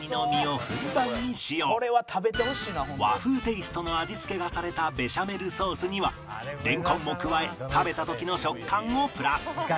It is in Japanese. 和風テイストの味付けがされたベシャメルソースにはレンコンも加え食べた時の食感をプラス